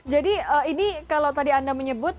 jadi ini kalau tadi anda menyebutnya